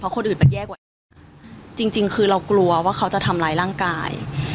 คนอื่นมันแย่กว่านี้จริงจริงคือเรากลัวว่าเขาจะทำร้ายร่างกาย